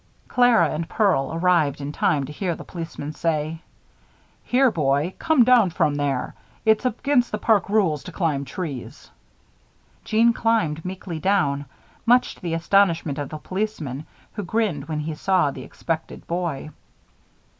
Clara and Pearl arrived in time to hear the policeman shout: "Here, boy! Come down from there. It's against the park rules to climb trees." Jeanne climbed meekly down, much to the astonishment of the policeman, who grinned when he saw the expected boy.